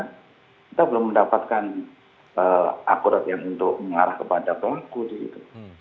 kita belum mendapatkan akurat yang untuk mengarah kepada pelaku di situ